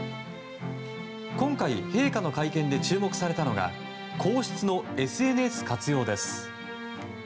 今回、陛下の会見で注目されたのが皇室のＳＮＳ活用です。